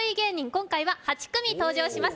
今回は８組登場します